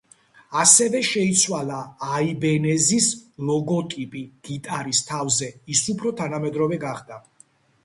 ასევე შეიცვალა აიბენეზის ლოგოტიპი გიტარის თავზე, ის უფრო თანამედროვე გახდა.